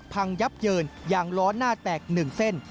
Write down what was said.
พังยับเยินอย่างล้อหน้าแตกหนึ่งเส้น